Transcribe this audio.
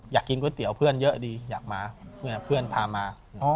อยากกินก๋วยเตี๋ยวเพื่อนเยอะดีอยากมาเพื่อนพามา